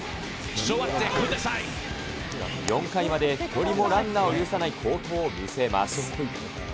４回まで一人もランナーを許さない好投を見せます。